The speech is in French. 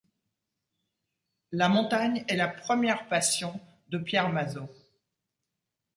La montagne est la première passion de Pierre Mazeaud.